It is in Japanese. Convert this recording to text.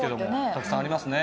たくさんありますね。